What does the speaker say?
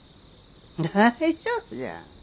大丈夫じゃ。